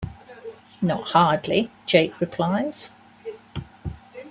"Not hardly," Jake replies.